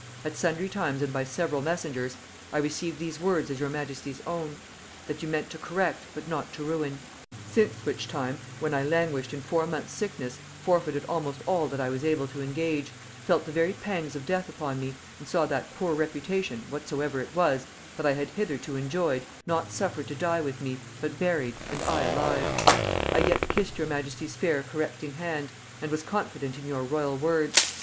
At sundry times and by several messengers, I received these words as your majesty's own; that you meant to correct, but not to ruin. Since which time, when I languished in four months sickness; forfeited almost all that I was able to engage; felt the very pangs of death upon me; and saw that poor reputation, whatsoever it was, that I had hitherto enjoyed, not suffered to die with me, but buried and I alive; I yet kissed your majesty's fair correcting hand, and was confident in your royal words.